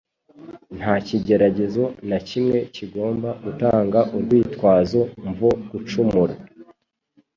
Nta kigeragezo na kimwe kigomba gutanga urwitwazo mvo gucumura.